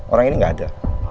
orang ini gak ada